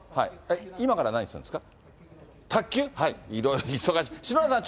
今から何するんですか？